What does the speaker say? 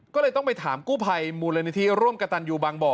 ก็เลยต้องไปถามกู้ภัยมูลนิธิร่วมกระตันยูบางบ่อ